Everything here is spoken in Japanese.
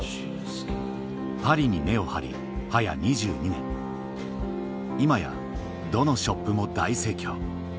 パリに根を張りはや２２年今やどのショップも大盛況